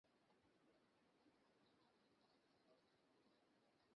অনেক সময় তা হয়তো মামুলি বা জটিল কোনো সমস্যার লক্ষণ।